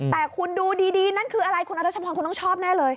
แต่คุณดูดีนั่นคืออะไรคุณอรัชพรคุณต้องชอบแน่เลย